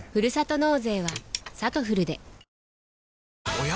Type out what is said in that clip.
おや？